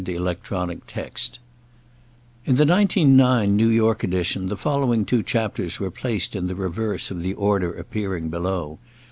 Book Eleventh [Note: In the 1909 New York Edition the following two chapters were placed in the reverse of the order appearing below.